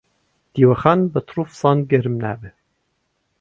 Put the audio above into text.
دیوەخان بە تڕ و فسان گەرم نابی.